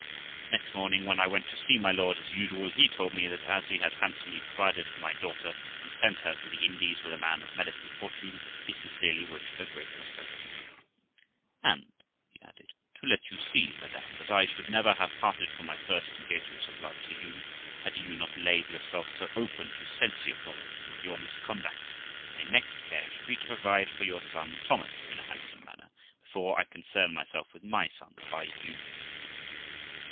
Next morning, when I went to see my lord as usual, he told me that as he had handsomely provided for my daughter, and sent her to the Indies with a man of merit and fortune, he sincerely wished her great prosperity. ' And ', he added, ' to let you see, madam, that I should never have parted from my first engagements of love to you, had you not laid yourself so open to censure for your misconduct, my next care shall be to provide for your son Thomas in a handsome manner, before I concern myself with my son by you.'